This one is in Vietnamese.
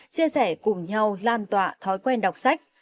chia sẻ cùng nhau lan tỏa thói quen đọc sách